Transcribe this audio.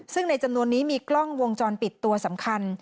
ซึ่งในจำนวนนี้มีกล้องวงจรปิดตัวสำคัญ